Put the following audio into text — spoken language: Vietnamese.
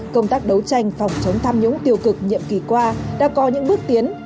công tác đấu tranh phòng chống tham nhũng tiêu cực nhiệm kỳ qua đã có những bước tiến